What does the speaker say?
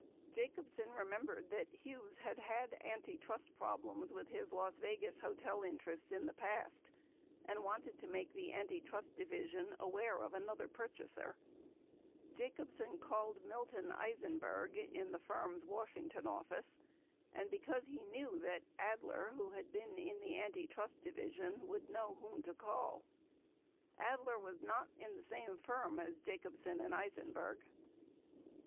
Jacobsen remembered that Hughes had had anti trust problems with his Las Vegas hotel interests in the past and wanted to make the Antitrust Division aware of another purchaser. Jacobsen called Milton Eisenberg in the firm's Washington office and told him to call the Antitrust Division. Eisenberg then called Adler, because he knew that Adler, who had been in the Antitrust Division, would know whom to call. 25 (Adler was not in the same firm as Jacob sen and Eisenberg.)